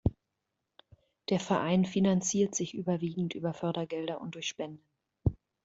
Der Verein finanziert sich überwiegend über Fördergelder und durch Spenden.